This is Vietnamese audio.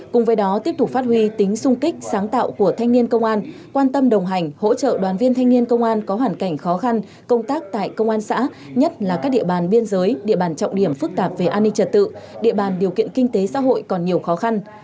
cùng với đó tiếp tục phát huy tính sung kích sáng tạo của thanh niên công an quan tâm đồng hành hỗ trợ đoàn viên thanh niên công an có hoàn cảnh khó khăn công tác tại công an xã nhất là các địa bàn biên giới địa bàn trọng điểm phức tạp về an ninh trật tự địa bàn điều kiện kinh tế xã hội còn nhiều khó khăn